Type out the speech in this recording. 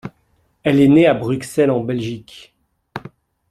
Elle est née à Bruxelles, en Belgique.